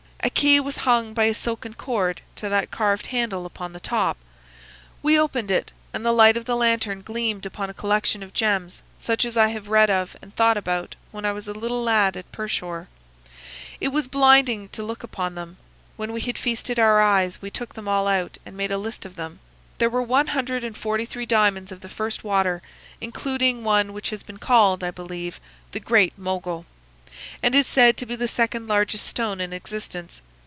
A key was hung by a silken cord to that carved handle upon the top. We opened it, and the light of the lantern gleamed upon a collection of gems such as I have read of and thought about when I was a little lad at Pershore. It was blinding to look upon them. When we had feasted our eyes we took them all out and made a list of them. There were one hundred and forty three diamonds of the first water, including one which has been called, I believe, 'the Great Mogul' and is said to be the second largest stone in existence.